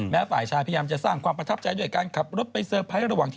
ฝ่ายชายพยายามจะสร้างความประทับใจด้วยการขับรถไปเซอร์ไพรส์ระหว่างที่